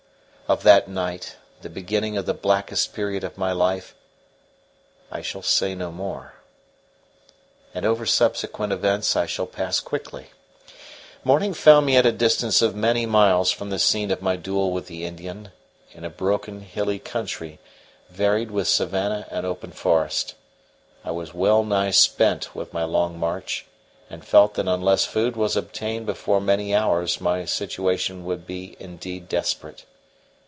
Of that night, the beginning of the blackest period of my life, I shall say no more; and over subsequent events I shall pass quickly. Morning found me at a distance of many miles from the scene of my duel with the Indian, in a broken, hilly country, varied with savannah and open forest. I was well nigh spent with my long march, and felt that unless food was obtained before many hours my situation would be indeed desperate.